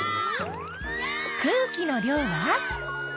空気の量は？